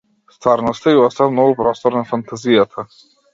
Стварноста ѝ остава многу простор на фантазијата.